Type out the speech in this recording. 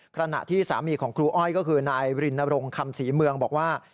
ขณะที่สามีของครูอ้อยก็คือนายรินรงคำศรีเมืองบอกว่า